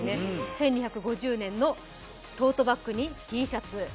１２５０年のトートバッグにＴシャツ。